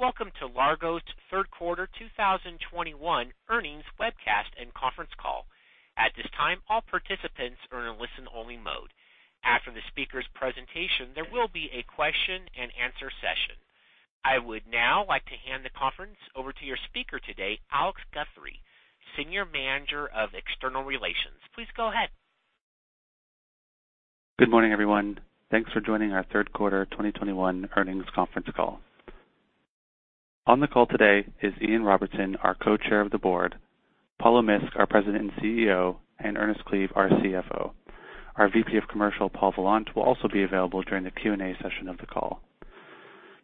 Welcome to Largo's third quarter 2021 earnings webcast and conference call. At this time, all participants are in a listen-only mode. After the speaker's presentation, there will be a question-and-answer session. I would now like to hand the conference over to your speaker today, Alex Guthrie, Senior Manager, External Relations. Please go ahead. Good morning, everyone. Thanks for joining our Q3 2021 earnings conference call. On the call today is Ian Robertson, our Co-Chair of the Board, Paulo Misk, our President and CEO, and Ernest Cleave, our CFO. Our VP of Commercial, Paul Vollant, will also be available during the Q&A session of the call.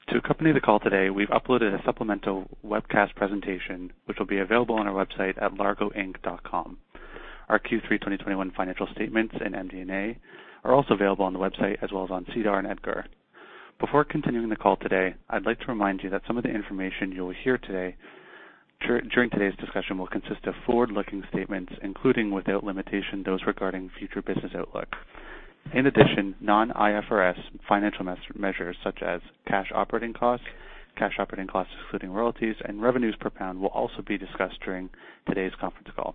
To accompany the call today, we've uploaded a supplemental webcast presentation, which will be available on our website at largoinc.com. Our Q3 2021 financial statements and MD&A are also available on the website as well as on SEDAR and EDGAR. Before continuing the call today, I'd like to remind you that some of the information you'll hear today, during today's discussion will consist of forward-looking statements, including, without limitation, those regarding future business outlook. In addition, non-IFRS financial measures such as cash operating costs, cash operating costs excluding royalties, and revenues per pound will also be discussed during today's conference call.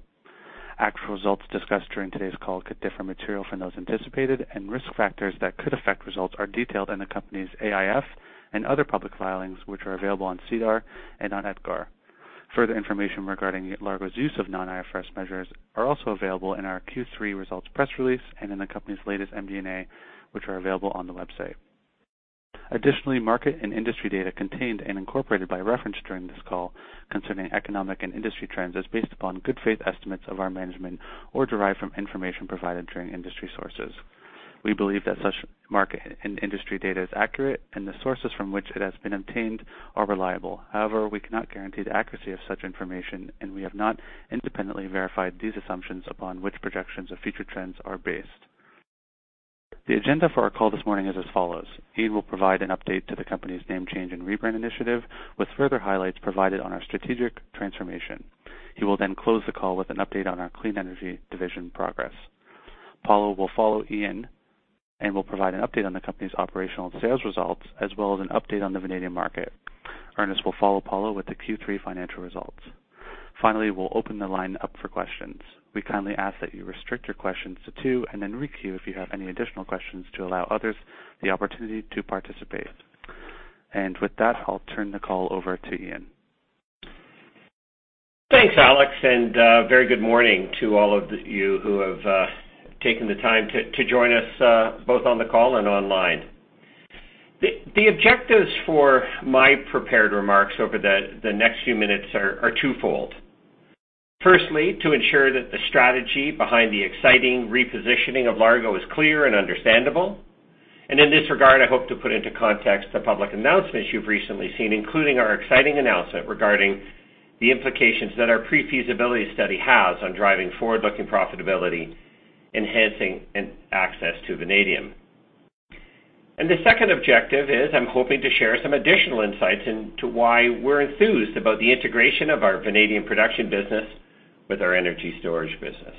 Actual results discussed during today's call could differ materially from those anticipated, and risk factors that could affect results are detailed in the company's AIF and other public filings, which are available on SEDAR and on EDGAR. Further information regarding Largo's use of non-IFRS measures is also available in our Q3 results press release and in the company's latest MD&A, which are available on the website. Additionally, market and industry data contained and incorporated by reference during this call concerning economic and industry trends is based upon good faith estimates of our management or derived from information provided by industry sources. We believe that such market and industry data is accurate and the sources from which it has been obtained are reliable. However, we cannot guarantee the accuracy of such information, and we have not independently verified these assumptions upon which projections of future trends are based. The agenda for our call this morning is as follows. Ian will provide an update to the company's name change and rebrand initiative, with further highlights provided on our strategic transformation. He will then close the call with an update on our clean energy division progress. Paulo will follow Ian and will provide an update on the company's operational and sales results, as well as an update on the vanadium market. Ernest will follow Paulo with the Q3 financial results. Finally, we'll open the line up for questions. We kindly ask that you restrict your questions to two and then requeue if you have any additional questions to allow others the opportunity to participate. With that, I'll turn the call over to Ian. Thanks, Alex, and very good morning to all of you who have taken the time to join us both on the call and online. The objectives for my prepared remarks over the next few minutes are twofold. Firstly, to ensure that the strategy behind the exciting repositioning of Largo is clear and understandable. In this regard, I hope to put into context the public announcements you've recently seen, including our exciting announcement regarding the implications that our pre-feasibility study has on driving forward-looking profitability, enhancing and access to vanadium. The second objective is I'm hoping to share some additional insights into why we're enthused about the integration of our vanadium production business with our energy storage business.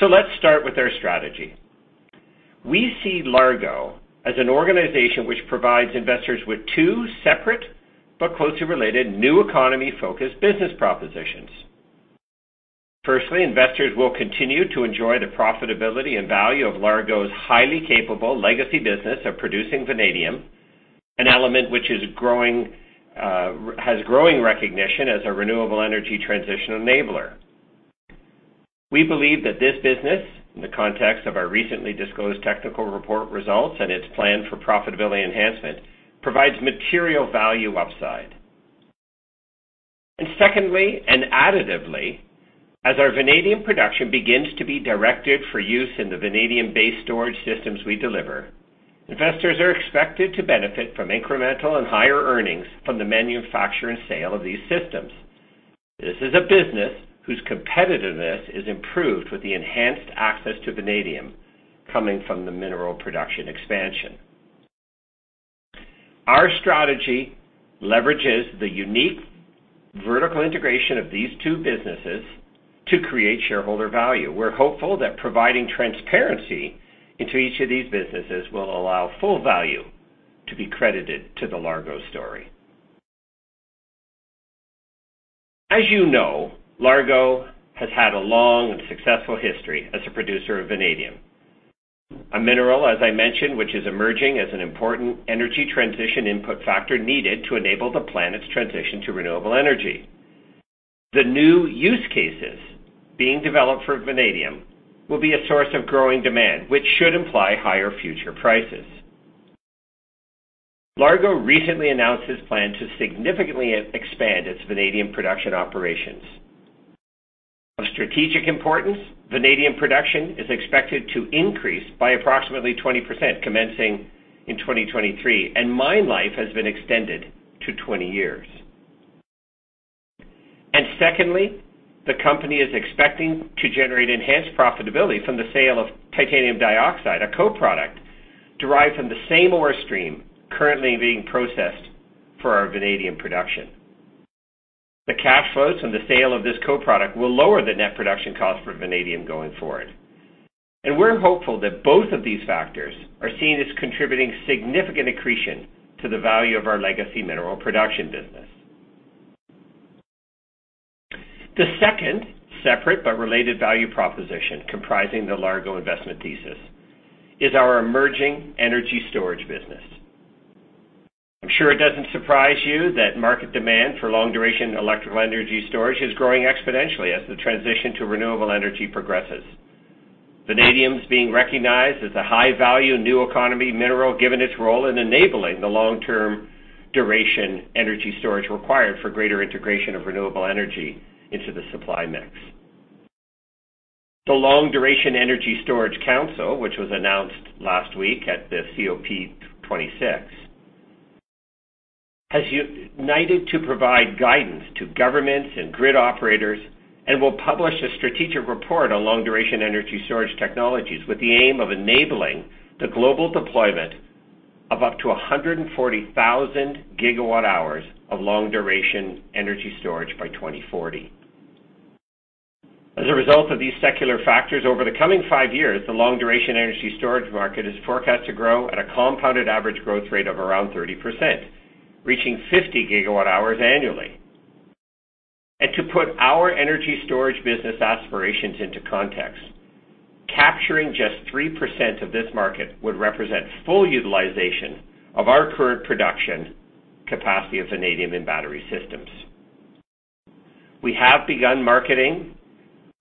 Let's start with our strategy. We see Largo as an organization which provides investors with two separate but closely related new economy-focused business propositions. Firstly, investors will continue to enjoy the profitability and value of Largo's highly capable legacy business of producing vanadium, an element which is growing, has growing recognition as a renewable energy transition enabler. We believe that this business, in the context of our recently disclosed technical report results and its plan for profitability enhancement, provides material value upside. Secondly, and additively, as our vanadium production begins to be directed for use in the vanadium-based storage systems we deliver, investors are expected to benefit from incremental and higher earnings from the manufacture and sale of these systems. This is a business whose competitiveness is improved with the enhanced access to vanadium coming from the mineral production expansion. Our strategy leverages the unique vertical integration of these two businesses to create shareholder value. We're hopeful that providing transparency into each of these businesses will allow full value to be credited to the Largo story. As you know, Largo has had a long and successful history as a producer of vanadium, a mineral, as I mentioned, which is emerging as an important energy transition input factor needed to enable the planet's transition to renewable energy. The new use cases being developed for vanadium will be a source of growing demand, which should imply higher future prices. Largo recently announced its plan to significantly expand its vanadium production operations. Of strategic importance, vanadium production is expected to increase by approximately 20% commencing in 2023, and mine life has been extended to 20 years. Secondly, the company is expecting to generate enhanced profitability from the sale of titanium dioxide, a co-product derived from the same ore stream currently being processed for our vanadium production. The cash flows from the sale of this co-product will lower the net production cost for vanadium going forward. We're hopeful that both of these factors are seen as contributing significant accretion to the value of our legacy mineral production business. The second separate but related value proposition comprising the Largo investment thesis is our emerging energy storage business. I'm sure it doesn't surprise you that market demand for long-duration electrical energy storage is growing exponentially as the transition to renewable energy progresses. Vanadium is being recognized as a high-value new economy mineral, given its role in enabling the long-term duration energy storage required for greater integration of renewable energy into the supply mix. The Long Duration Energy Storage Council, which was announced last week at the COP26, has united to provide guidance to governments and grid operators, and will publish a strategic report on long-duration energy storage technologies with the aim of enabling the global deployment of up to 140,000 GWh of long-duration energy storage by 2040. As a result of these secular factors, over the coming five years, the long-duration energy storage market is forecast to grow at a compounded average growth rate of around 30%, reaching 50 GWh annually. To put our energy storage business aspirations into context, capturing just 3% of this market would represent full utilization of our current production capacity of vanadium in battery systems. We have begun marketing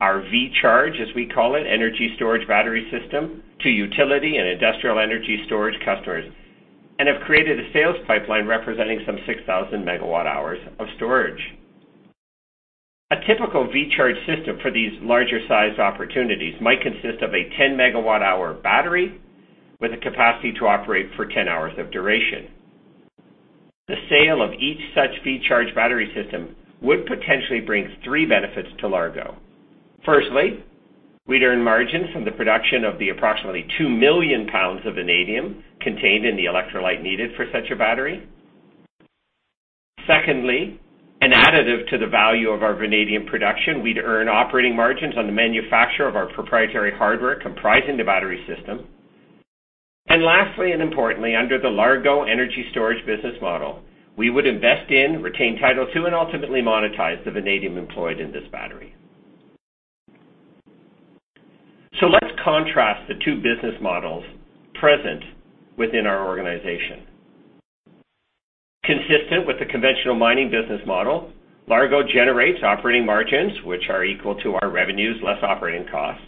our VCHARGE, as we call it, energy storage battery system to utility and industrial energy storage customers, and have created a sales pipeline representing some 6,000 MWh of storage. A typical VCHARGE system for these larger-sized opportunities might consist of a 10-MWh battery with a capacity to operate for 10 hours of duration. The sale of each such VCHARGE battery system would potentially bring three benefits to Largo. Firstly, we'd earn margins from the production of the approximately 2 million pounds of vanadium contained in the electrolyte needed for such a battery. Secondly, an additive to the value of our vanadium production, we'd earn operating margins on the manufacture of our proprietary hardware comprising the battery system. Lastly and importantly, under the Largo Clean Energy business model, we would invest in, retain title to, and ultimately monetize the vanadium employed in this battery. Let's contrast the two business models present within our organization. Consistent with the conventional mining business model, Largo generates operating margins, which are equal to our revenues less operating costs,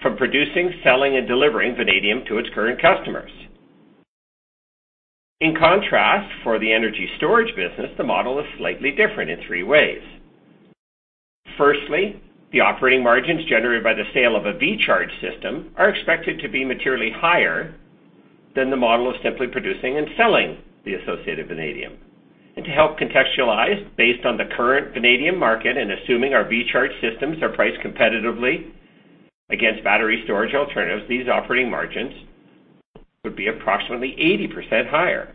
from producing, selling, and delivering vanadium to its current customers. In contrast, for the energy storage business, the model is slightly different in three ways. Firstly, the operating margins generated by the sale of a VCHARGE system are expected to be materially higher than the model of simply producing and selling the associated vanadium. To help contextualize based on the current vanadium market and assuming our VCHARGE systems are priced competitively against battery storage alternatives, these operating margins would be approximately 80% higher.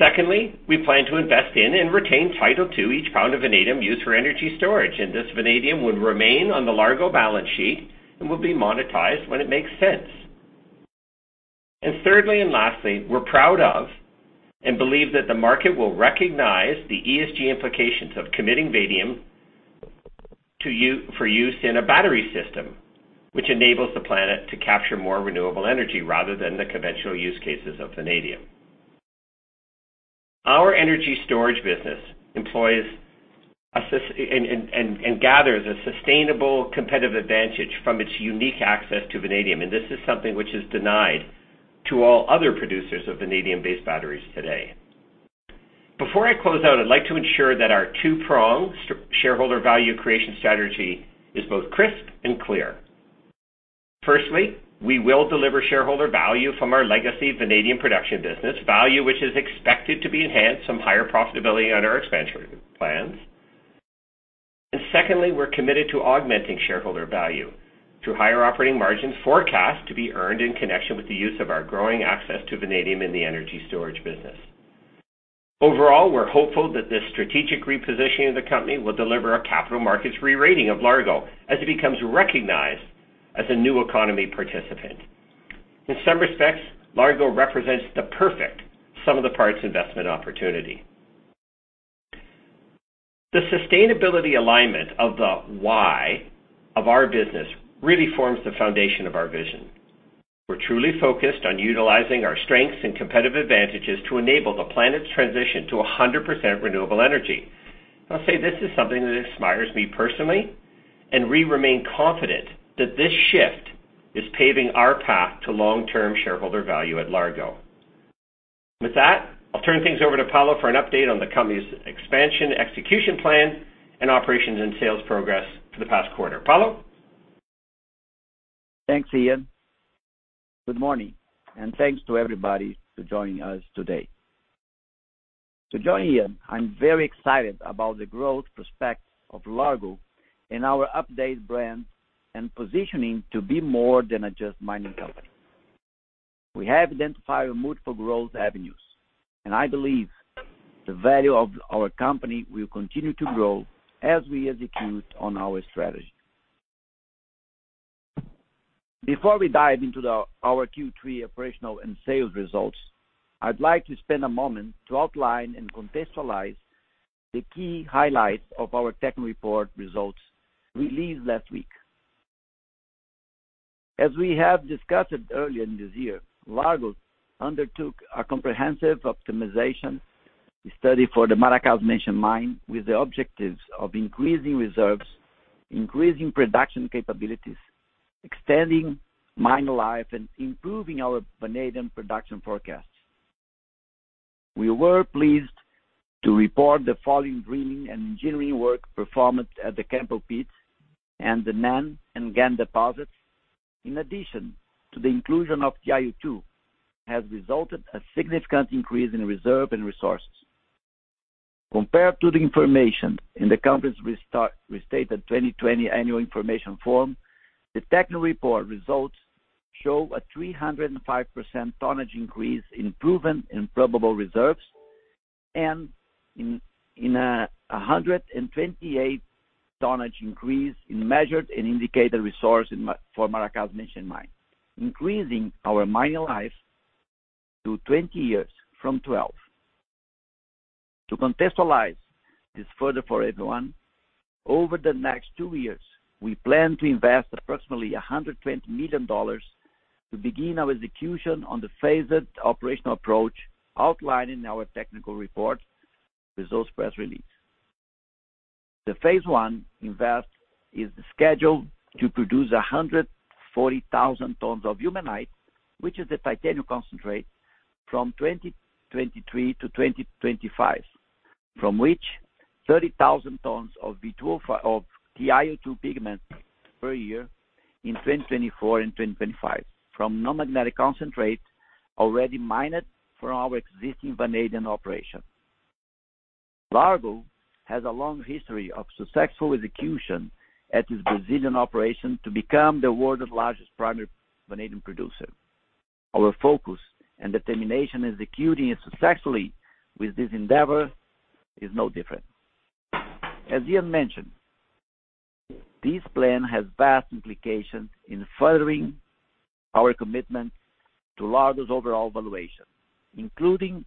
Secondly, we plan to invest in and retain title to each pound of vanadium used for energy storage, and this vanadium would remain on the Largo balance sheet and will be monetized when it makes sense. Thirdly and lastly, we're proud of and believe that the market will recognize the ESG implications of committing vanadium to use in a battery system, which enables the planet to capture more renewable energy rather than the conventional use cases of vanadium. Our energy storage business employs and gathers a sustainable competitive advantage from its unique access to vanadium, and this is something which is denied to all other producers of vanadium-based batteries today. Before I close out, I'd like to ensure that our two-pronged shareholder value creation strategy is both crisp and clear. Firstly, we will deliver shareholder value from our legacy vanadium production business, value which is expected to be enhanced from higher profitability under our expansion plans. Secondly, we're committed to augmenting shareholder value through higher operating margins forecast to be earned in connection with the use of our growing access to vanadium in the energy storage business. Overall, we're hopeful that this strategic repositioning of the company will deliver a capital markets rerating of Largo as it becomes recognized as a new economy participant. In some respects, Largo represents the perfect sum of the parts investment opportunity. The sustainability alignment of the why of our business really forms the foundation of our vision. We're truly focused on utilizing our strengths and competitive advantages to enable the planet's transition to 100% renewable energy. I'll say this is something that inspires me personally, and we remain confident that this shift is paving our path to long-term shareholder value at Largo. With that, I'll turn things over to Paulo for an update on the company's expansion, execution plan, and operations and sales progress for the past quarter. Paulo? Thanks, Ian. Good morning, and thanks to everybody for joining us today. To join Ian, I'm very excited about the growth prospects of Largo and our updated brand and positioning to be more than just a mining company. We have identified multiple growth avenues, and I believe the value of our company will continue to grow as we execute on our strategy. Before we dive into our Q3 operational and sales results, I'd like to spend a moment to outline and contextualize the key highlights of our technical report results released last week. As we have discussed it earlier this year, Largo undertook a comprehensive optimization study for the Maracás Menchen Mine with the objectives of increasing reserves, increasing production capabilities, extending mine life, and improving our vanadium production forecast. We were pleased to report the following drilling and engineering work performed at the Campbell Pit and the NAN and GAN deposits in addition to the inclusion of TiO2, which has resulted in a significant increase in reserves and resources. Compared to the information in the company's restated 2020 annual information form, the technical report results show a 305% tonnage increase in proven and probable reserves, and a 128% tonnage increase in measured and indicated resources for the Maracás Menchen Mine, increasing our mining life to 20 years from 12. To contextualize this further for everyone, over the next two years, we plan to invest approximately $120 million to begin our execution on the phased operational approach outlined in our technical report results press release. The phase one investment is scheduled to produce 140,000 tons of ilmenite, which is the titanium concentrate from 2023 to 2025. From which 30,000 tons of TiO2 pigment per year in 2024 and 2025 from non-magnetic concentrate already mined from our existing vanadium operation. Largo has a long history of successful execution at its Brazilian operation to become the world's largest primary vanadium producer. Our focus and determination in executing successfully with this endeavor is no different. As Ian mentioned, this plan has vast implications in furthering our commitment to Largo's overall valuation, including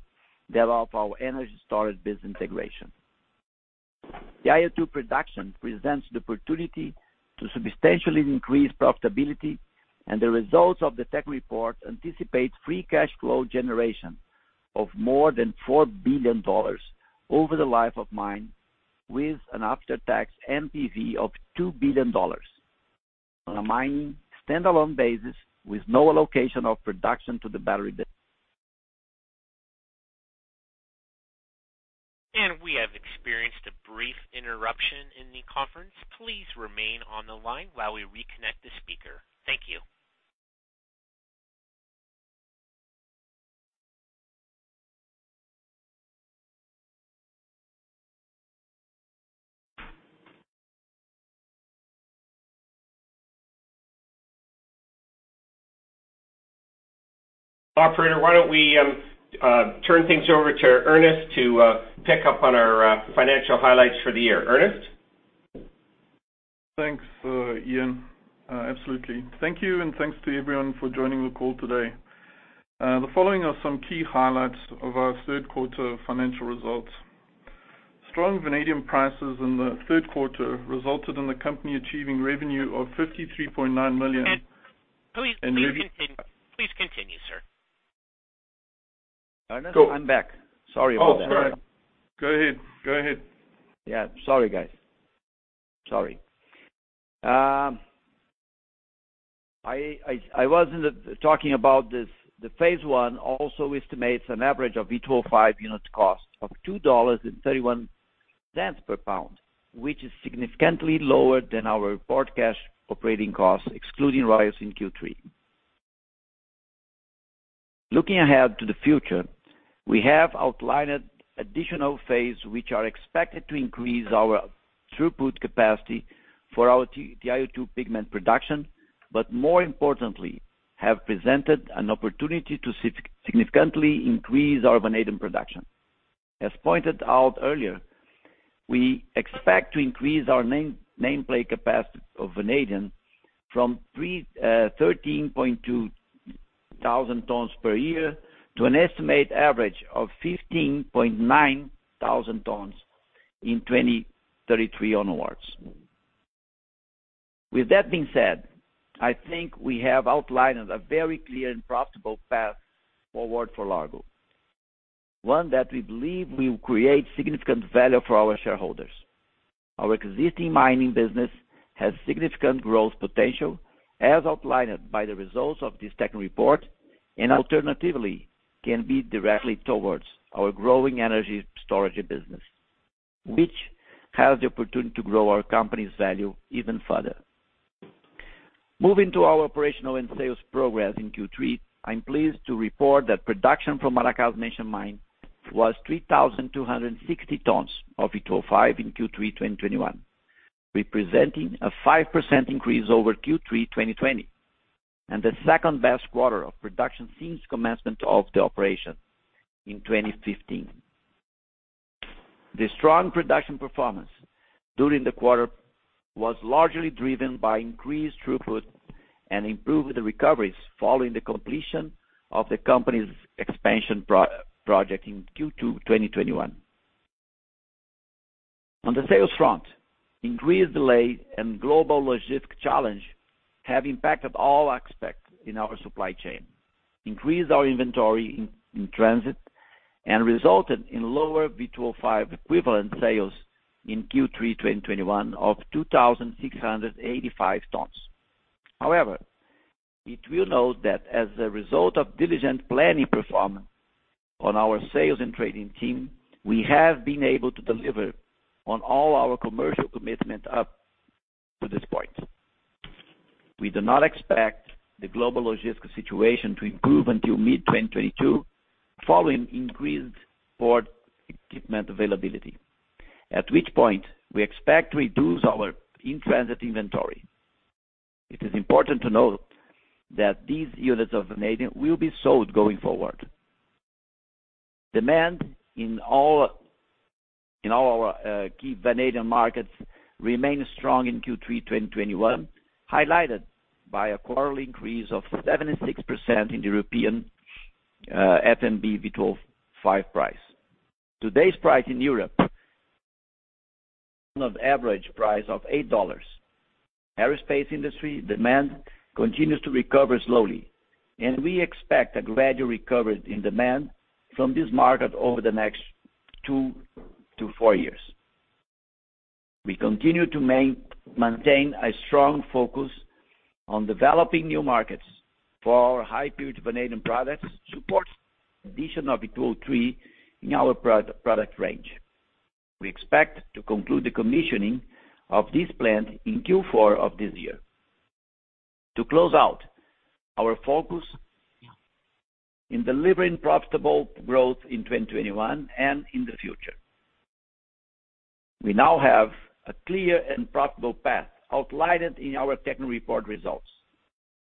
the development of our energy storage business integration. TiO2 production presents the opportunity to substantially increase profitability, and the results of the tech report anticipate free cash flow generation of more than $4 billion over the life of mine with an after-tax NPV of $2 billion. On a mining standalone basis with no allocation of production to the battery busi- And we have experienced a brief interruption in the conference. Please remain on the line while we reconnect the speaker. Thank you. Operator, why don't we turn things over to Ernest to pick up on our financial highlights for the year. Ernest? Thanks, Ian. Absolutely. Thank you, and thanks to everyone for joining the call today. The following are some key highlights of our third quarter financial results. Strong vanadium prices in the third quarter resulted in the company achieving revenue of $53.9 million. Please continue, sir. Ernest, I'm back. Sorry about that. Oh, sorry. Go ahead. Sorry, guys. Sorry. I was talking about this, the phase one also estimates an average of V2O5 unit cost of $2.31 per pound, which is significantly lower than our reported cash operating costs, excluding royalties in Q3. Looking ahead to the future, we have outlined additional phase which are expected to increase our throughput capacity for our TiO2 pigment production, but more importantly, have presented an opportunity to significantly increase our vanadium production. As pointed out earlier, we expect to increase our nameplate capacity of vanadium from 13,200 tons per year to an estimated average of 15,900 tons in 2033 onwards. With that being said, I think we have outlined a very clear and profitable path forward for Largo, one that we believe will create significant value for our shareholders. Our existing mining business has significant growth potential as outlined by the results of this tech report, and alternatively, can be directed towards our growing energy storage business, which has the opportunity to grow our company's value even further. Moving to our operational and sales progress in Q3, I'm pleased to report that production from Maracás Menchen Mine was 3,260 tons of V2O5 in Q3 2021, representing a 5% increase over Q3 2020, and the second-best quarter of production since commencement of the operation in 2015. The strong production performance during the quarter was largely driven by increased throughput and improved recoveries following the completion of the company's expansion project in Q2 2021. On the sales front, increasing delays and global logistics challenges have impacted all aspects of our supply chain, increased our inventory in transit, and resulted in lower V2O5 equivalent sales in Q3 2021 of 2,685 tons. However, it is worth noting that as a result of the diligent planning and performance of our sales and trading team, we have been able to deliver on all our commercial commitments up to this point. We do not expect the global logistical situation to improve until mid-2022 following increased port equipment availability, at which point we expect to reduce our in-transit inventory. It is important to note that these units of vanadium will be sold going forward. Demand in all our key vanadium markets remained strong in Q3 2021, highlighted by a quarterly increase of 76% in the European FMB V2O5 price. Today's price in Europe, average price of $8. Aerospace industry demand continues to recover slowly, and we expect a gradual recovery in demand from this market over the next 2-4 years. We continue to maintain a strong focus on developing new markets for our high-purity vanadium products, supports addition of V2O3 in our product range. We expect to conclude the commissioning of this plant in Q4 of this year. To close out our focus in delivering profitable growth in 2021 and in the future, we now have a clear and profitable path outlined in our technical report results,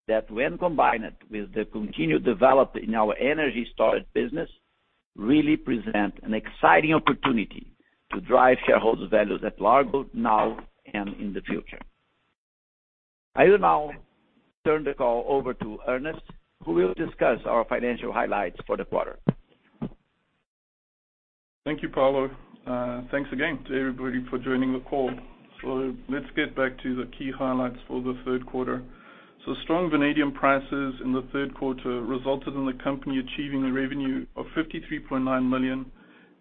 that when combined with the continued development in our energy storage business, really present an exciting opportunity to drive shareholder values at Largo now and in the future. I will now turn the call over to Ernest, who will discuss our financial highlights for the quarter. Thank you, Paulo. Thanks again to everybody for joining the call. Let's get back to the key highlights for the third quarter. Strong vanadium prices in the third quarter resulted in the company achieving a revenue of $53.9 million,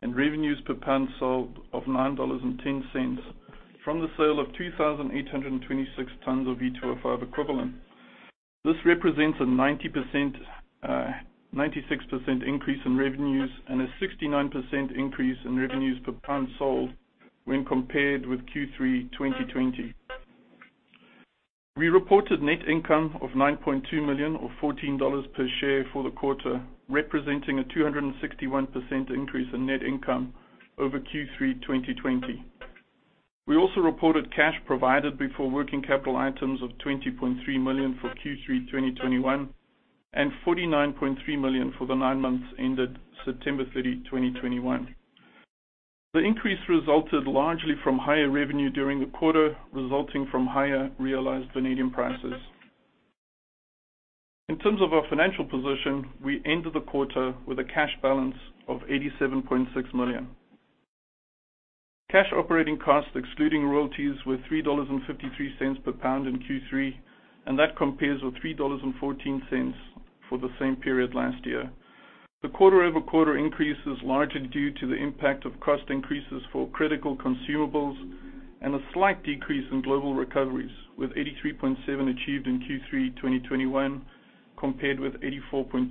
and revenues per pound sold of $9.10 from the sale of 2,826 tons of V2O5 equivalent. This represents a 90%, 96% increase in revenues, and a 69% increase in revenues per pound sold when compared with Q3 2020. We reported net income of $9.2 million, or $14 per share for the quarter, representing a 261% increase in net income over Q3 2020. We reported cash provided before working capital items of $20.3 million for Q3 2021, and $49.3 million for the nine months ended September 30, 2021. The increase resulted largely from higher revenue during the quarter, resulting from higher realized vanadium prices. In terms of our financial position, we ended the quarter with a cash balance of $87.6 million. Cash operating costs excluding royalties were $3.53 per pound in Q3, and that compares with $3.14 for the same period last year. The quarter-over-quarter increase is largely due to the impact of cost increases for critical consumables and a slight decrease in global recoveries, with 83.7% achieved in Q3 2021, compared with 84.2%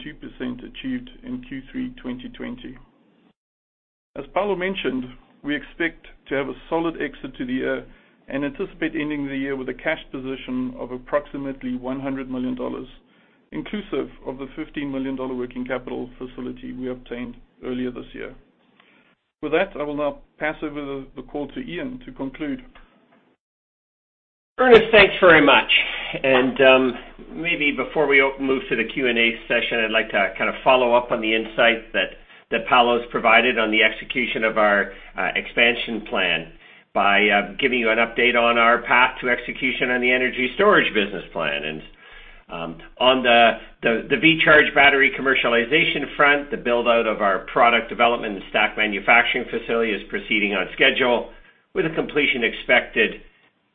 achieved in Q3 2020. As Paulo mentioned, we expect to have a solid exit to the year and anticipate ending the year with a cash position of approximately $100 million, inclusive of the $15 million working capital facility we obtained earlier this year. With that, I will now pass over the call to Ian to conclude. Ernest, thanks very much. Maybe before we move to the Q&A session, I'd like to kind of follow up on the insight that Paulo's provided on the execution of our expansion plan by giving you an update on our path to execution on the energy storage business plan. On the VCHARGE battery commercialization front, the build-out of our product development and stack manufacturing facility is proceeding on schedule with a completion expected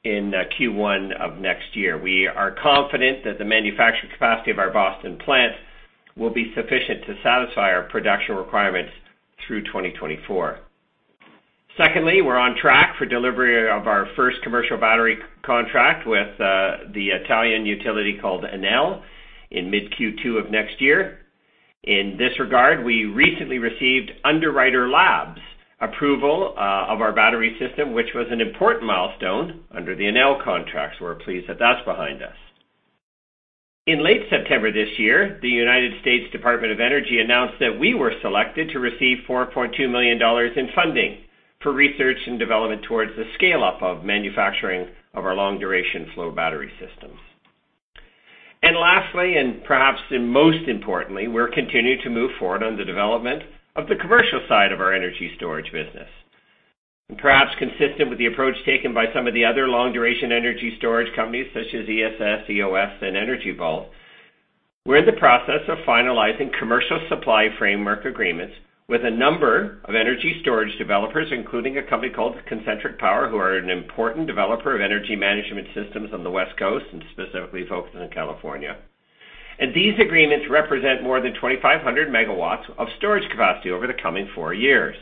in Q1 of next year. We are confident that the manufacturing capacity of our Boston plant will be sufficient to satisfy our production requirements through 2024. Secondly, we're on track for delivery of our first commercial battery contract with the Italian utility called Enel in mid-Q2 of next year. In this regard, we recently received Underwriters Laboratories's approval of our battery system, which was an important milestone under the Enel contracts. We're pleased that that's behind us. In late September this year, the United States Department of Energy announced that we were selected to receive $4.2 million in funding for research and development towards the scale-up of manufacturing of our long-duration flow battery systems. Lastly, and perhaps most importantly, we're continuing to move forward on the development of the commercial side of our energy storage business. Perhaps consistent with the approach taken by some of the other long-duration energy storage companies such as ESS, Eos, and Energy Vault, we're in the process of finalizing commercial supply framework agreements with a number of energy storage developers, including a company called Concentric Power, who are an important developer of energy management systems on the West Coast and specifically focused in California. These agreements represent more than 2,500 MW of storage capacity over the coming four years.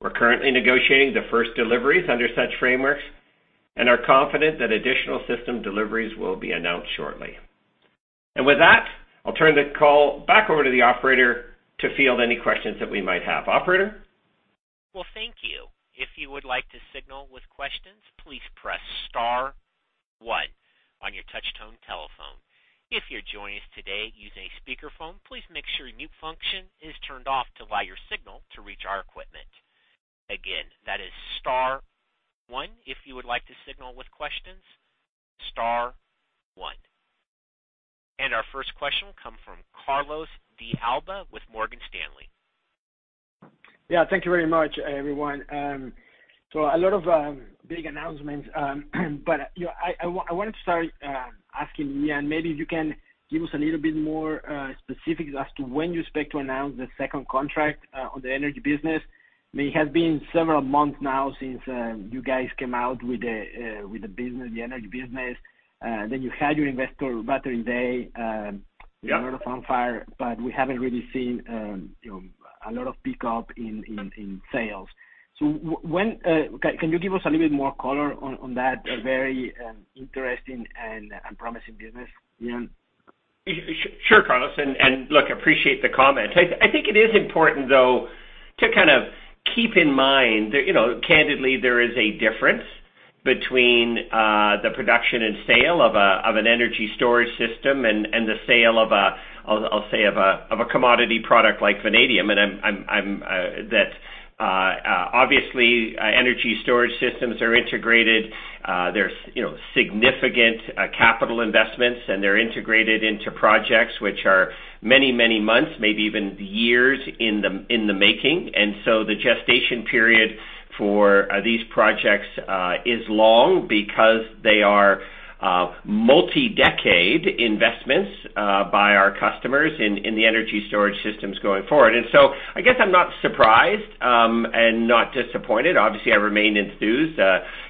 We're currently negotiating the first deliveries under such frameworks and are confident that additional system deliveries will be announced shortly. With that, I'll turn the call back over to the operator to field any questions that we might have. Operator? Well, thank you. If you would like to signal with questions, please press star one on your touch-tone telephone. If you're joining us today using a speakerphone, please make sure mute function is turned off to allow your signal to reach our equipment. Again, that is star one if you would like to signal with questions, star one. Our first question come from Carlos de Alba with Morgan Stanley. Yeah, thank you very much, everyone. A lot of big announcements. You know, I wanted to start asking Ian, maybe if you can give us a little bit more specifics as to when you expect to announce the second contract on the energy business. I mean, it has been several months now since you guys came out with the business, the energy business. You had your investor Battery Day. Yeah. A lot of fanfare, but we haven't really seen a lot of pickup in sales. When can you give us a little bit more color on that very interesting and promising business, Ian? Sure, Carlos. Look, I appreciate the comment. I think it is important though to kind of keep in mind that, you know, candidly there is a difference between the production and sale of an energy storage system and the sale of a commodity product like vanadium. Obviously, energy storage systems are integrated. There's, you know, significant capital investments, and they're integrated into projects which are many, many months, maybe even years in the making. The gestation period for these projects is long because they are multi-decade investments by our customers in the energy storage systems going forward. I guess I'm not surprised and not disappointed. Obviously, I remain enthused.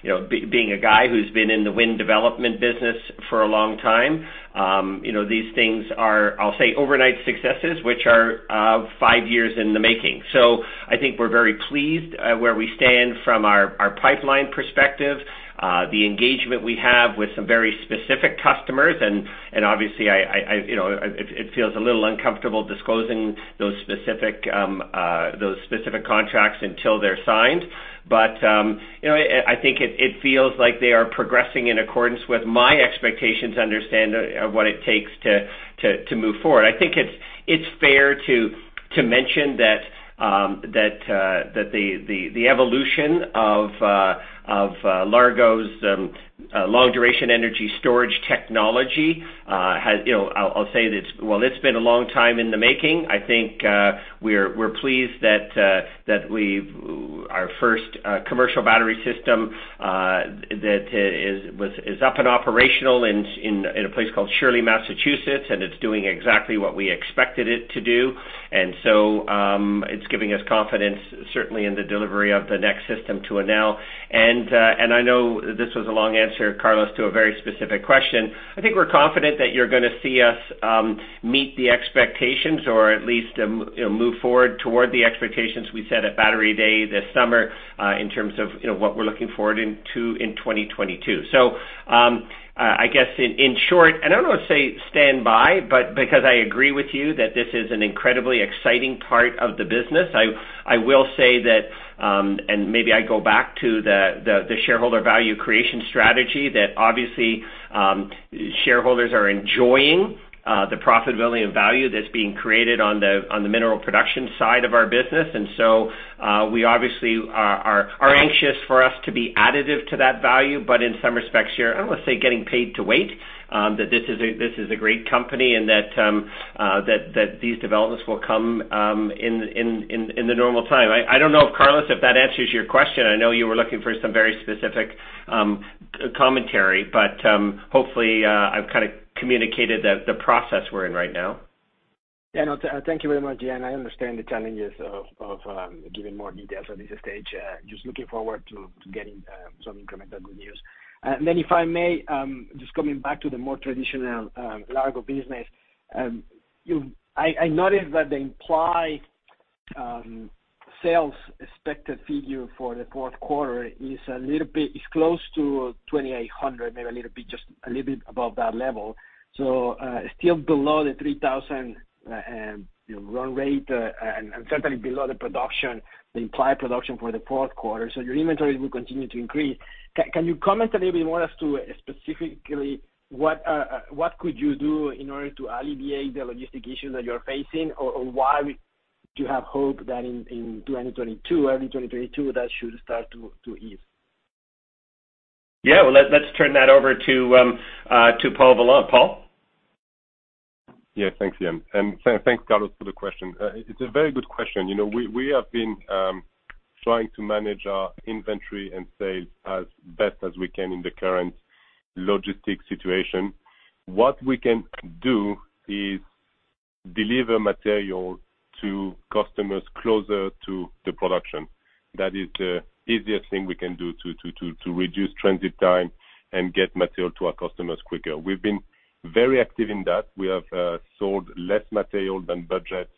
You know, being a guy who's been in the wind development business for a long time, you know, these things are, I'll say, overnight successes, which are five years in the making. I think we're very pleased where we stand from our pipeline perspective, the engagement we have with some very specific customers, and obviously. You know, it feels a little uncomfortable disclosing those specific contracts until they're signed. You know, I think it feels like they are progressing in accordance with my expectations to understand what it takes to move forward. I think it's fair to mention that the evolution of Largo's long-duration energy storage technology has. You know, I'll say this, while it's been a long time in the making, I think, we're pleased that our first commercial battery system that is up and operational in a place called Shirley, Massachusetts, and it's doing exactly what we expected it to do. It's giving us confidence certainly in the delivery of the next system to Enel. I know this was a long answer, Carlos, to a very specific question. I think we're confident that you're gonna see us meet the expectations or at least, you know, move forward toward the expectations we set at Battery Day this summer, in terms of, you know, what we're looking forward to in 2022. I guess in short, I don't want to say stand by, but because I agree with you that this is an incredibly exciting part of the business, I will say that, and maybe I go back to the shareholder value creation strategy that obviously shareholders are enjoying, the profitability and value that's being created on the mineral production side of our business. We obviously are anxious for us to be additive to that value. In some respects, you're, I don't want to say, getting paid to wait, that this is a great company and that these developments will come in the normal time. I don't know if, Carlos, that answers your question. I know you were looking for some very specific, commentary, but, hopefully, I've kind of communicated the process we're in right now. Yeah. No, thank you very much, Ian. I understand the challenges of giving more details at this stage. Just looking forward to getting some incremental good news. If I may, just coming back to the more traditional Largo business, I noticed that the implied sales expected figure for the fourth quarter is close to 2,800, maybe a little bit, just a little bit above that level. Still below the 3,000 run rate, and certainly below the production, the implied production for the fourth quarter. Your inventory will continue to increase. Can you comment a little bit more as to specifically what you could do in order to alleviate the logistics issue that you're facing? Why do you have hope that in 2022, early 2022, that should start to ease? Yeah. Well, let's turn that over to Paul Vollant. Paul? Yeah. Thanks, Ian. Thanks, Carlos, for the question. It's a very good question. You know, we have been trying to manage our inventory and sales as best as we can in the current logistics situation. What we can do is deliver material to customers closer to the production. That is the easiest thing we can do to reduce transit time and get material to our customers quicker. We've been very active in that. We have sold less material than budget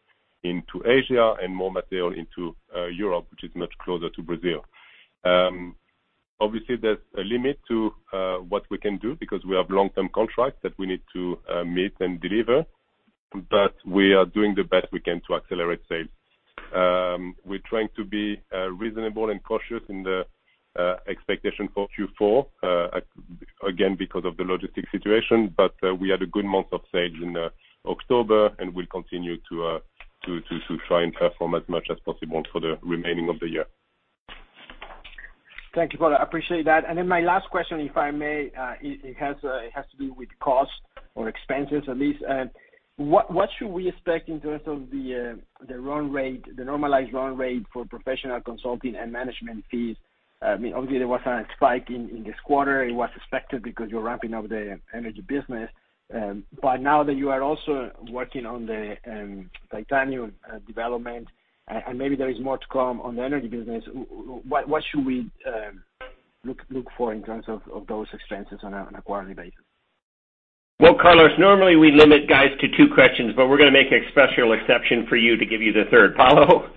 into Asia and more material into Europe, which is much closer to Brazil. Obviously, there's a limit to what we can do because we have long-term contracts that we need to meet and deliver, but we are doing the best we can to accelerate sales. We're trying to be reasonable and cautious in the expectation for Q4, again, because of the logistics situation. We had a good month of sales in October, and we'll continue to try and perform as much as possible for the remaining of the year. Thank you, Paul. I appreciate that. My last question, if I may, it has to do with cost or expenses at least. What should we expect in terms of the run rate, the normalized run rate for professional consulting and management fees? I mean, obviously, there was a spike in this quarter. It was expected because you're ramping up the energy business. Now that you are also working on the titanium development, and maybe there is more to come on the energy business, what should we look for in terms of those expenses on a quarterly basis? Well, Carlos, normally we limit guys to two questions, but we're gonna make a special exception for you to give you the third. Paulo?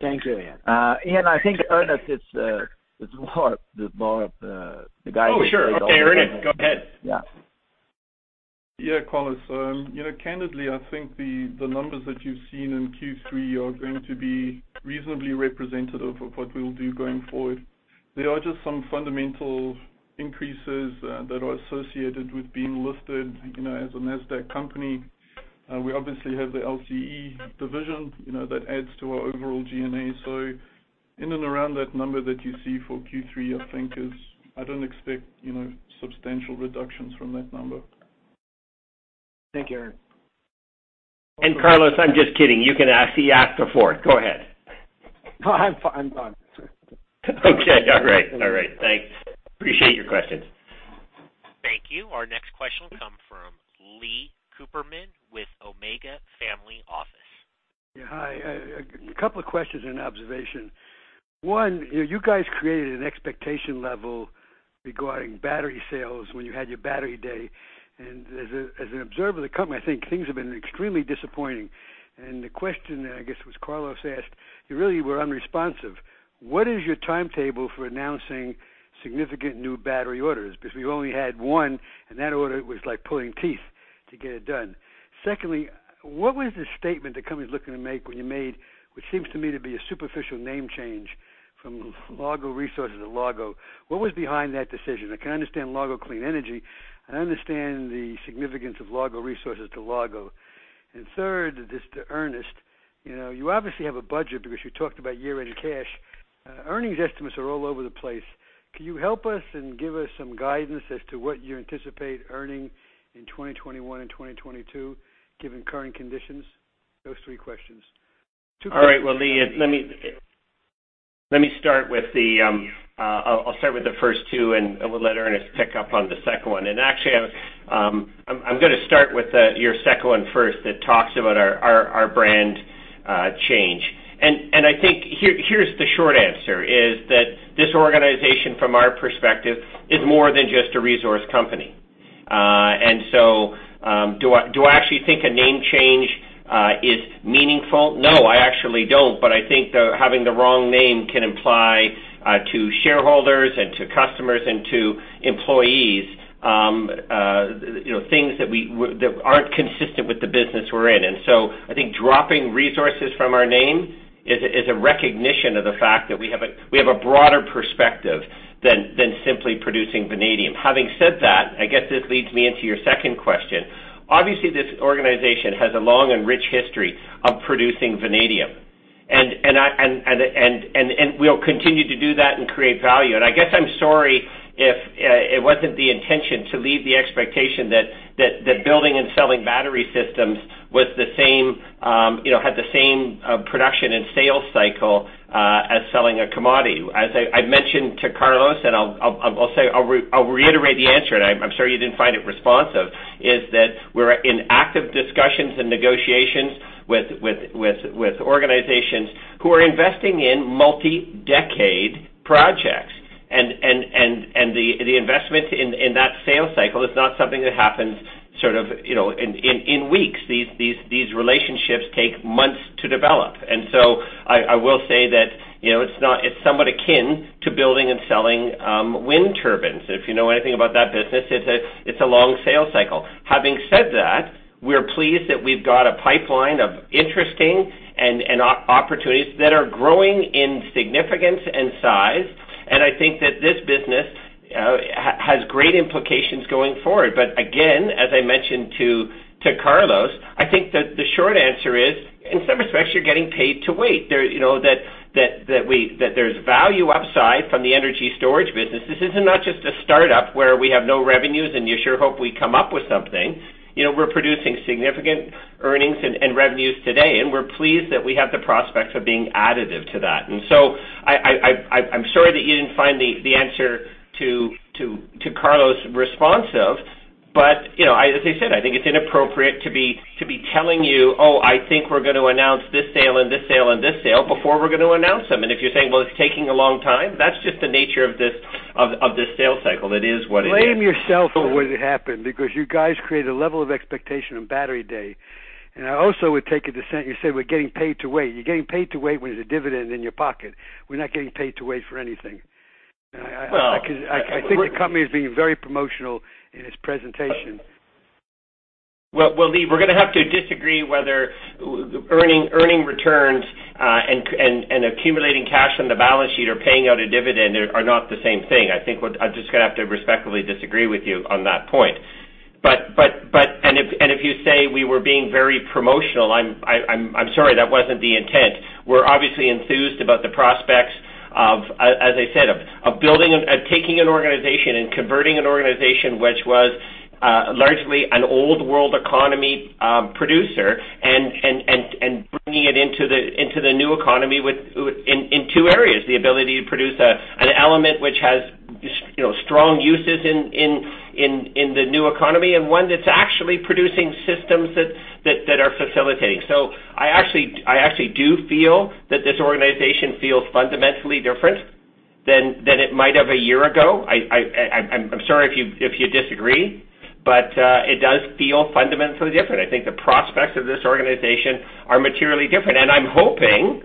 Thank you, Ian. Ian, I think Ernest is more of the guy to take on that one. Oh, sure. Okay, Ernest, go ahead. Yeah. Yeah, Carlos. You know, candidly, I think the numbers that you've seen in Q3 are going to be reasonably representative of what we'll do going forward. There are just some fundamental increases that are associated with being listed, you know, as a Nasdaq company. We obviously have the LCE division, you know, that adds to our overall G&A. In and around that number that you see for Q3, I think is. I don't expect, you know, substantial reductions from that number. Thank you, Ernest. Carlos, I'm just kidding. You can ask. He asked before. Go ahead. No, I'm done. Sorry. Okay. All right. Thanks. I appreciate your questions. Thank you. Our next question will come from Lee Cooperman with Omega Family Office. Yeah. Hi. A couple of questions and observation. One, you know, you guys created an expectation level regarding battery sales when you had your Battery Day. As an observer of the company, I think things have been extremely disappointing. The question that I guess what Carlos asked, you really were unresponsive. What is your timetable for announcing significant new battery orders? Because we've only had one, and that order was like pulling teeth to get it done. Secondly, what was the statement the company looking to make when you made, which seems to me to be a superficial name change from Largo Resources to Largo? What was behind that decision? I can understand Largo Clean Energy. I understand the significance of Largo Resources to Largo. Third, this to Ernest. You know, you obviously have a budget because you talked about year-end cash. Earnings estimates are all over the place. Can you help us and give us some guidance as to what you anticipate earning in 2021 and 2022, given current conditions? Those three questions. All right. Well, Lee, I'll start with the first two, and I will let Ernest pick up on the second one. Actually, I'm gonna start with your second one first that talks about our brand change. I think here's the short answer, is that this organization, from our perspective, is more than just a resource company. Do I actually think a name change is meaningful? No, I actually don't. I think having the wrong name can imply to shareholders and to customers and to employees, you know, things that aren't consistent with the business we're in. I think dropping resources from our name is a recognition of the fact that we have a broader perspective than simply producing vanadium. Having said that, I guess this leads me into your second question. Obviously, this organization has a long and rich history of producing vanadium, and we'll continue to do that and create value. I guess I'm sorry if it wasn't the intention to leave the expectation that building and selling battery systems was the same, you know, had the same production and sales cycle as selling a commodity. As I mentioned to Carlos, and I'll reiterate the answer, and I'm sorry you didn't find it responsive, is that we're in active discussions and negotiations with organizations who are investing in multi-decade projects. The investment in that sales cycle is not something that happens. Sort of, you know, in weeks. These relationships take months to develop. I will say that, you know, it's not. It's somewhat akin to building and selling wind turbines. If you know anything about that business, it's a long sales cycle. Having said that, we're pleased that we've got a pipeline of interesting and opportunities that are growing in significance and size. I think that this business has great implications going forward. Again, as I mentioned to Carlos, I think the short answer is, in some respects, you're getting paid to wait. You know, that there's value upside from the energy storage business. This isn't not just a startup where we have no revenues, and you sure hope we come up with something. You know, we're producing significant earnings and revenues today, and we're pleased that we have the prospects of being additive to that. I'm sorry that you didn't find the answer to Carlos responsive, but, you know, as I said, I think it's inappropriate to be telling you, "Oh, I think we're gonna announce this sale and this sale and this sale," before we're gonna announce them. If you're saying, "Well, it's taking a long time," that's just the nature of this sales cycle. It is what it is. Blame yourself for what happened because you guys created a level of expectation on Battery Day. I also would take a dissent. You said we're getting paid to wait. You're getting paid to wait when there's a dividend in your pocket. We're not getting paid to wait for anything. Well- I think the company is being very promotional in its presentation. Well, well, Lee, we're gonna have to disagree whether earning returns and accumulating cash on the balance sheet or paying out a dividend are not the same thing. I think I'm just gonna have to respectfully disagree with you on that point. If you say we were being very promotional, I'm sorry. That wasn't the intent. We're obviously enthused about the prospects of, as I said, of building and taking an organization and converting an organization which was largely an old world economy producer and bringing it into the new economy with. In two areas, the ability to produce an element which has, you know, strong uses in the new economy, and one that's actually producing systems that are facilitating. I actually do feel that this organization feels fundamentally different than it might have a year ago. I'm sorry if you disagree, but it does feel fundamentally different. I think the prospects of this organization are materially different. I'm hoping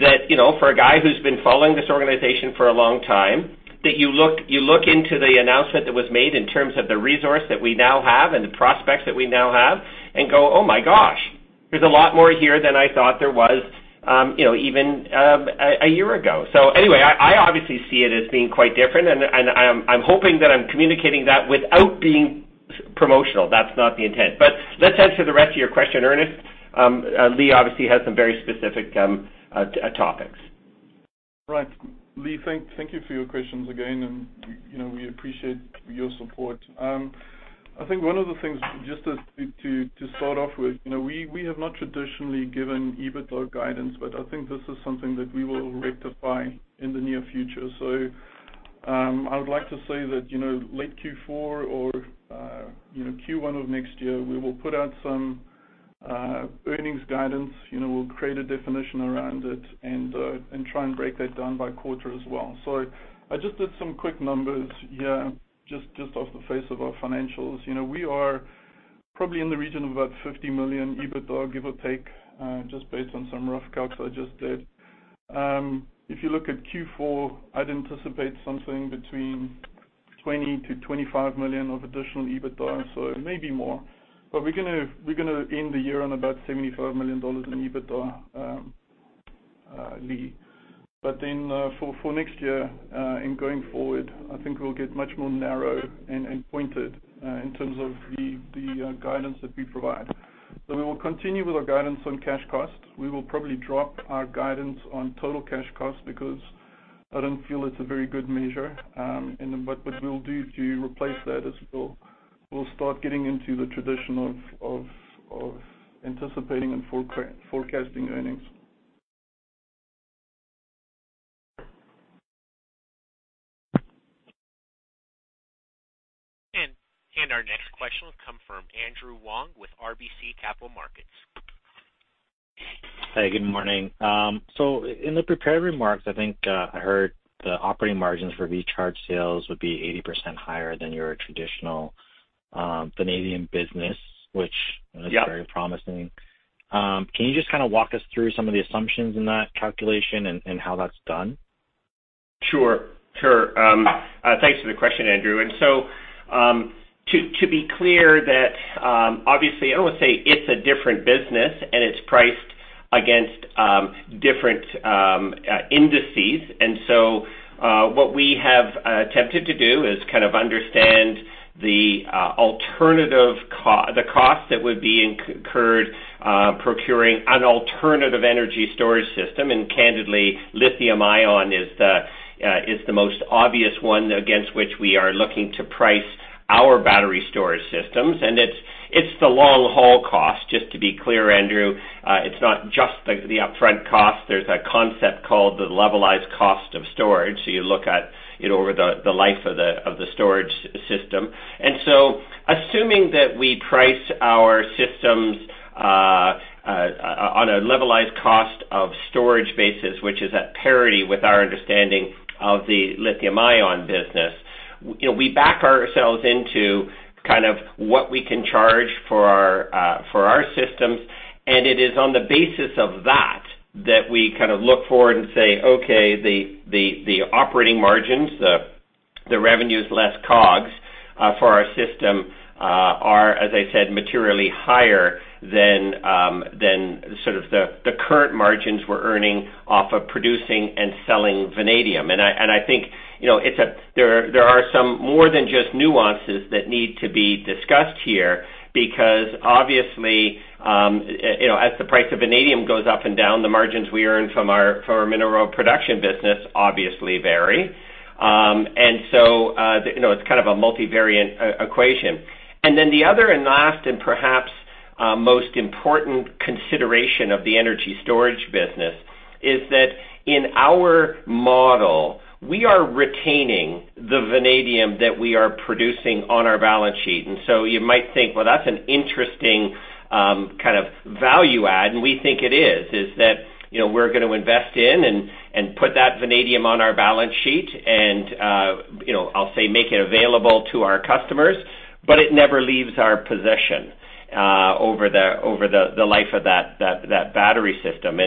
that, you know, for a guy who's been following this organization for a long time, that you look into the announcement that was made in terms of the resource that we now have and the prospects that we now have and go, "Oh, my gosh, there's a lot more here than I thought there was, you know, even a year ago." Anyway, I obviously see it as being quite different, and I'm hoping that I'm communicating that without being promotional. That's not the intent. Let's answer the rest of your question, Ernest. Lee obviously has some very specific topics. Right. Lee, thank you for your questions again, and you know, we appreciate your support. I think one of the things, just to start off with, you know, we have not traditionally given EBITDA guidance, but I think this is something that we will rectify in the near future. I would like to say that, you know, late Q4 or you know, Q1 of next year, we will put out some earnings guidance. You know, we'll create a definition around it and try and break that down by quarter as well. I just did some quick numbers here, just off the face of our financials. You know, we are probably in the region of about $50 million EBITDA, give or take, just based on some rough calcs I just did. If you look at Q4, I'd anticipate something between $20 million-$25 million of additional EBITDA, so it may be more. We're gonna end the year on about $75 million in EBITDA, Lee. For next year and going forward, I think we'll get much more narrow and pointed in terms of the guidance that we provide. We will continue with our guidance on cash costs. We will probably drop our guidance on total cash costs because I don't feel it's a very good measure. What we'll do to replace that is we'll start getting into the tradition of anticipating and forecasting earnings. Our next question will come from Andrew Wong with RBC Capital Markets. Hi, good morning. In the prepared remarks, I think I heard the operating margins for VCHARGE sales would be 80% higher than your traditional vanadium business, which- Yep. is very promising. Can you just kinda walk us through some of the assumptions in that calculation and how that's done? Sure, sure. Thanks for the question, Andrew. To be clear that obviously, I won't say it's a different business and it's priced against different indices. What we have attempted to do is kind of understand the cost that would be incurred procuring an alternative energy storage system. Candidly, lithium ion is the most obvious one against which we are looking to price our battery storage systems. It's the long haul cost. Just to be clear, Andrew, it's not just the upfront cost. There's a concept called the levelized cost of storage. You look at it over the life of the storage system. Assuming that we price our systems on a levelized cost of storage basis, which is at parity with our understanding of the lithium-ion business, you know, we back ourselves into kind of what we can charge for our systems, and it is on the basis of that we kind of look forward and say, okay, the operating margins, the revenues less COGS for our system are, as I said, materially higher than sort of the current margins we're earning off of producing and selling vanadium. I think, you know, there are some more than just nuances that need to be discussed here because obviously, you know, as the price of vanadium goes up and down, the margins we earn from our mineral production business obviously vary. It's kind of a multivariate equation. The other and last and perhaps most important consideration of the energy storage business is that in our model, we are retaining the vanadium that we are producing on our balance sheet. You might think, well, that's an interesting kind of value add, and we think it is that, you know, we're gonna invest in and put that vanadium on our balance sheet and, you know, I'll say make it available to our customers, but it never leaves our possession over the life of that battery system.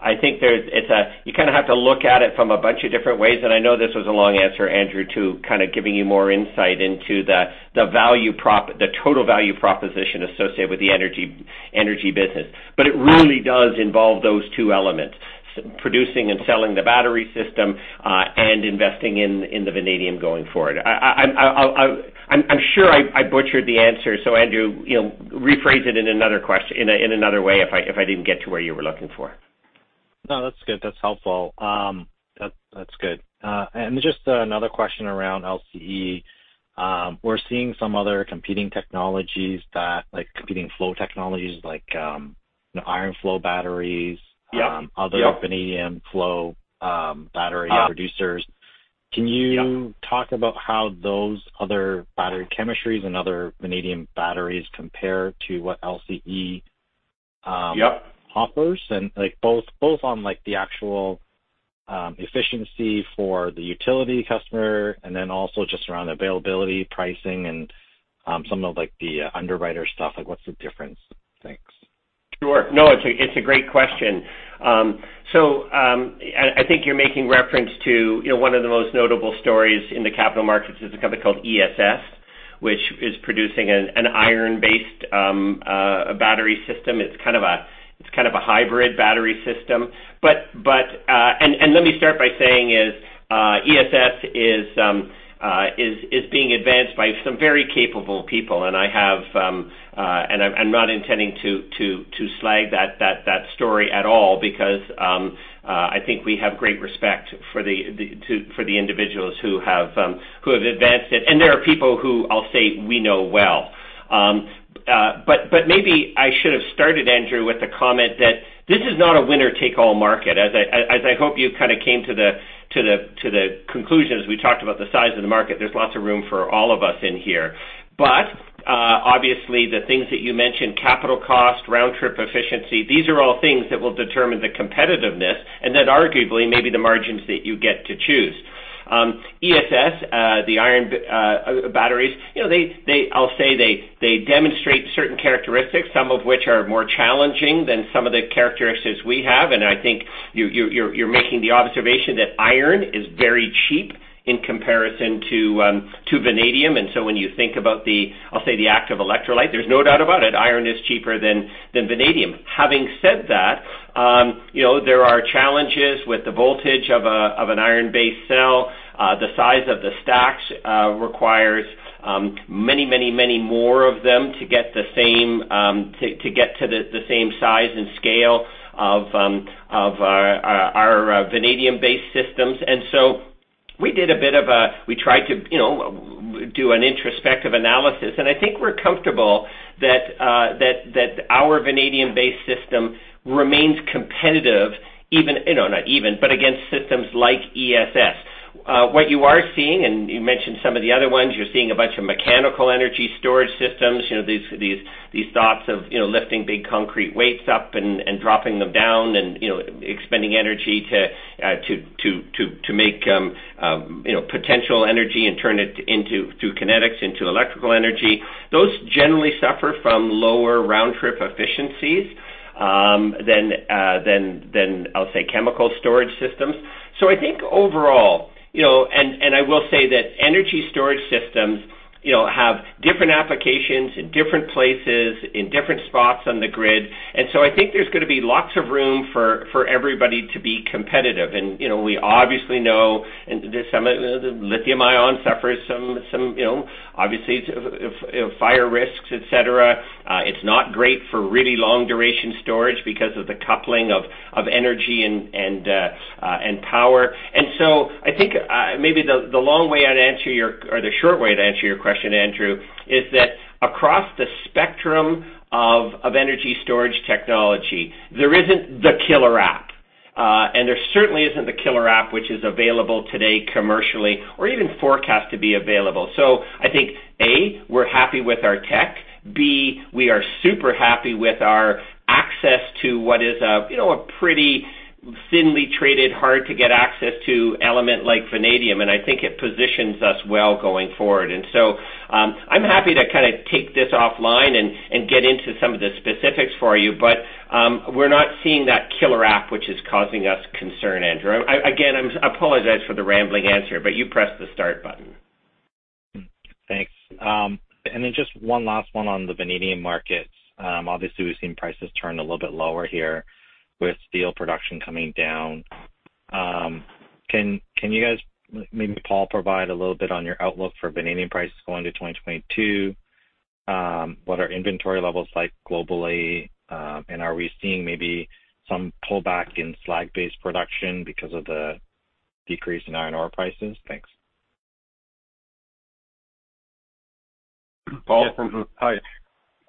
I think there's. You kinda have to look at it from a bunch of different ways, and I know this was a long answer, Andrew, to kind of giving you more insight into the total value proposition associated with the energy business. It really does involve those two elements, producing and selling the battery system, and investing in the vanadium going forward. I'm sure I butchered the answer. Andrew, you know, rephrase it in another way if I didn't get to where you were looking for. No, that's good. That's helpful. That's good. Just another question around LCE. We're seeing some other competing technologies that like competing flow technologies like iron flow batteries- Yeah. Yeah other vanadium flow battery Uh. -producers. Yeah. Can you talk about how those other battery chemistries and other vanadium batteries compare to what LCE? Yeah offers? Like, both on, like, the actual efficiency for the utility customer and then also just around availability, pricing and, some of, like, the underwriter stuff, like what's the difference? Thanks. Sure. No, it's a great question. I think you're making reference to, you know, one of the most notable stories in the capital markets is a company called ESS, which is producing an iron-based battery system. It's kind of a hybrid battery system. Let me start by saying, ESS is being advanced by some very capable people, and I'm not intending to slag that story at all because I think we have great respect for the individuals who have advanced it, and they are people who I'll say we know well. Maybe I should have started, Andrew, with the comment that this is not a winner takes all market. As I hope you kinda came to the conclusion as we talked about the size of the market, there's lots of room for all of us in here. Obviously, the things that you mentioned, capital cost, round trip efficiency, these are all things that will determine the competitiveness and that arguably maybe the margins that you get to choose. ESS, the iron batteries, you know, they demonstrate certain characteristics, some of which are more challenging than some of the characteristics we have, and I think you're making the observation that iron is very cheap in comparison to vanadium. When you think about the, I'll say, the active electrolyte, there's no doubt about it, iron is cheaper than vanadium. Having said that, you know, there are challenges with the voltage of an iron-based cell. The size of the stacks requires many more of them to get the same size and scale of our vanadium-based systems. We did a bit of an introspective analysis, and I think we're comfortable that our vanadium-based system remains competitive even, you know, not even, but against systems like ESS. What you are seeing, and you mentioned some of the other ones, you're seeing a bunch of mechanical energy storage systems, you know, these thoughts of, you know, lifting big concrete weights up and dropping them down and, you know, expending energy to make, you know, potential energy and turn it into, through kinetics, into electrical energy. Those generally suffer from lower round-trip efficiencies than I'll say, chemical storage systems. I think overall, you know, I will say that energy storage systems, you know, have different applications in different places, in different spots on the grid. I think there's gonna be lots of room for everybody to be competitive. You know, we obviously know, and there's some lithium-ion suffers some, you know, obviously it's fire risks, et cetera. It's not great for really long duration storage because of the coupling of energy and power. I think maybe the long way I'd answer your or the short way to answer your question, Andrew, is that across the spectrum of energy storage technology, there isn't the killer app. There certainly isn't the killer app which is available today commercially or even forecast to be available. I think, A, we're happy with our tech. B, we are super happy with our access to what is a, you know, a pretty thinly traded, hard to get access to element like vanadium, and I think it positions us well going forward. I'm happy to kind of take this offline and get into some of the specifics for you. We're not seeing that killer app which is causing us concern, Andrew. I again apologize for the rambling answer, but you pressed the start button. Thanks. Just one last one on the vanadium markets. Obviously, we've seen prices turn a little bit lower here with steel production coming down. Can you guys, maybe Paul, provide a little bit on your outlook for vanadium prices going to 2022? What are inventory levels like globally? Are we seeing maybe some pullback in slag-based production because of the decrease in iron ore prices? Thanks. Paul? Yes. Hi.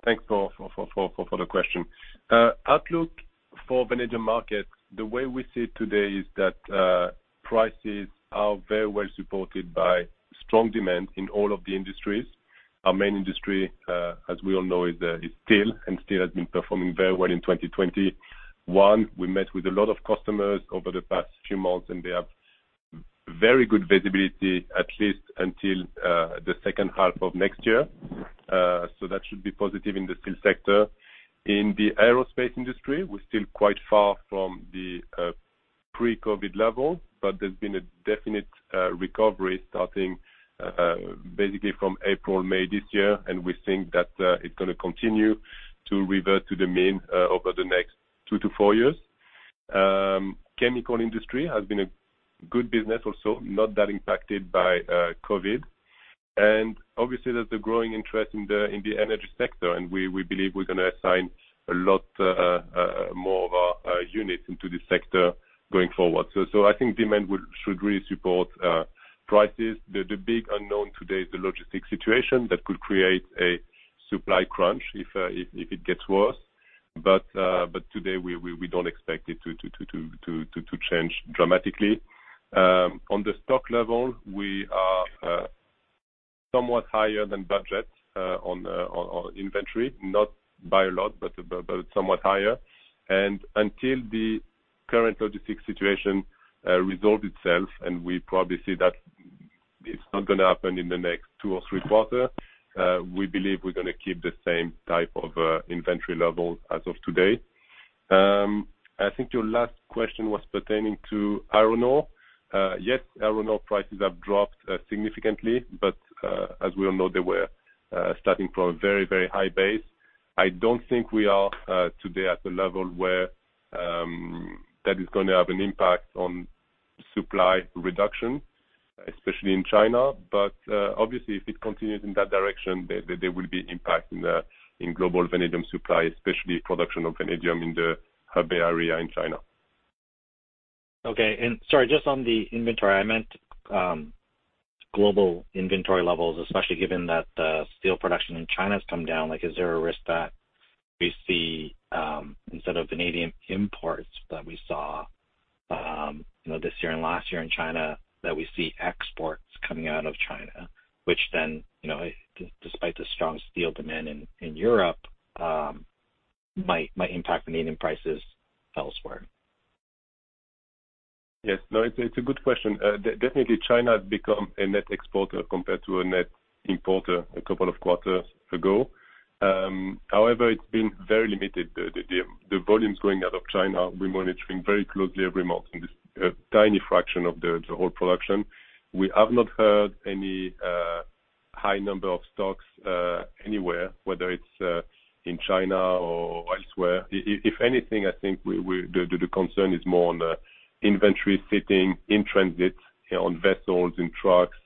Thanks, Paul, for the question. The outlook for vanadium market, the way we see it today is that prices are very well supported by strong demand in all of the industries. Our main industry, as we all know, is steel, and steel has been performing very well in 2021. We met with a lot of customers over the past few months, and they have very good visibility, at least until the second half of next year. So that should be positive in the steel sector. In the aerospace industry, we're still quite far from the pre-COVID level, but there's been a definite recovery starting basically from April, May this year, and we think that it's gonna continue to revert to the mean over the next 2-4 years. Chemical industry has been a good business also, not that impacted by COVID. Obviously, there's a growing interest in the energy sector, and we believe we're gonna assign a lot more of our units into this sector going forward. I think demand should really support prices. The big unknown today is the logistics situation that could create a supply crunch if it gets worse. Today, we don't expect it to change dramatically. On the stock level, we are somewhat higher than budget on inventory, not by a lot, but somewhat higher. Until the current logistics situation resolve itself, and we probably see that it's not gonna happen in the next 2 or 3 quarter, we believe we're gonna keep the same type of inventory level as of today. I think your last question was pertaining to iron ore. Yes, iron ore prices have dropped significantly, but as we all know, they were starting from a very, very high base. I don't think we are today at the level where that is gonna have an impact on supply reduction, especially in China. Obviously, if it continues in that direction, there will be impact in the global vanadium supply, especially production of vanadium in the Hebei area in China. Okay. Sorry, just on the inventory, I meant global inventory levels, especially given that the steel production in China has come down. Like, is there a risk that we see, instead of vanadium imports that we saw, you know, this year and last year in China, that we see exports coming out of China, which then, you know, despite the strong steel demand in Europe, might impact vanadium prices elsewhere? Yes. No, it's a good question. Definitely China has become a net exporter compared to a net importer a couple of quarters ago. However, it's been very limited. The volumes going out of China, we're monitoring very closely every month, and it's a tiny fraction of the whole production. We have not heard any high number of stocks anywhere, whether it's in China or elsewhere. If anything, I think the concern is more on the inventory sitting in transit on vessels and trucks,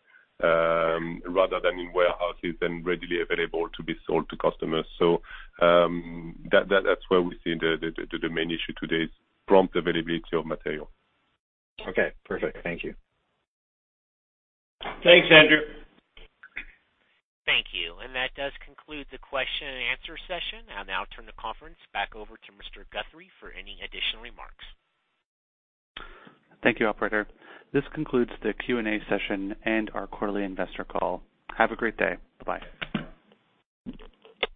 rather than in warehouses and readily available to be sold to customers. That's where we see the main issue today is prompt availability of material. Okay. Perfect. Thank you. Thanks, Andrew. Thank you. That does conclude the question and answer session. I'll now turn the conference back over to Mr. Guthrie for any additional remarks. Thank you, operator. This concludes the Q&A session and our quarterly investor call. Have a great day. Bye-bye.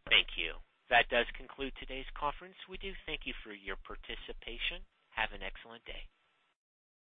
Thank you. That does conclude today's conference. We do thank you for your participation. Have an excellent day.